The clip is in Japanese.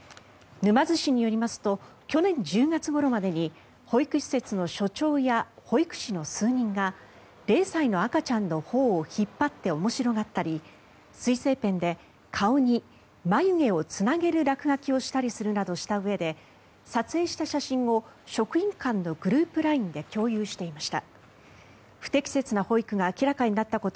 沼津市によりますと去年１０月ごろまでに保育施設の所長や保育士の数人が０歳の赤ちゃんの頬を引っ張って面白がったり水性ペンで顔に眉毛をつなげる落書きをしたりしたうえで撮影した写真を職員間のグループＬＩＮＥで共有していました。